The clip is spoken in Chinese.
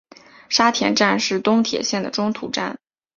沙田站是东铁线的中途站。